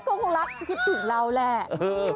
ก็คงรักคิดถึงเราแหละ